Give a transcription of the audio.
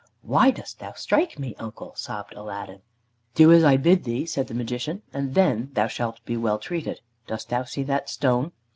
"Why dost thou strike me, uncle?" sobbed Aladdin. "Do as I bid thee," said the Magician, "and then thou shalt be well treated. Dost thou see that stone?